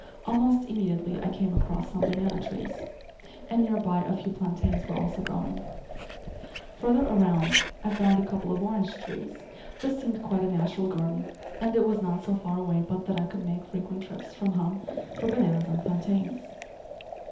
Almost immediately I came across some banana trees, and near by a few plantains were also growing. Further around I found a couple of orange trees. This seemed quite a natural garden, and it was not so far away but that I could make frequent trips from home for bananas and plantains.